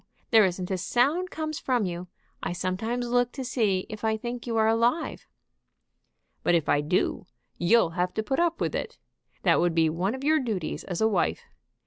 There isn't a sound comes from you. I sometimes look to see if I think you are alive." "But if I do, you'll have to put up with it. That would be one of your duties as a wife.